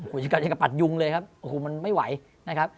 โอ้โหยังกระปัดยุงเลยครับโอ้โหมันไม่ไหวนะครับ